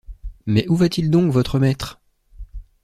Mais où va-t-il donc, votre maître?